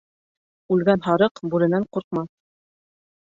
Үлгән һарыҡ бүренән ҡурҡмаҫ.